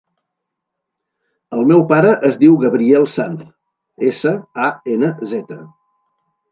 El meu pare es diu Gabriel Sanz: essa, a, ena, zeta.